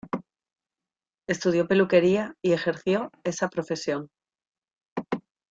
Estudió peluquería y ejerció esa profesión.